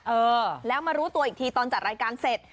เออแล้วมารู้ตัวอีกทีตอนจัดรายการเสร็จ